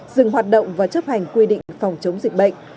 dừng hoạt động và chấp hành quy định phòng chống dịch bệnh